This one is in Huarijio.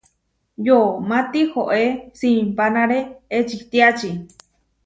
Yomá tihoé simpanáre ečitiáči.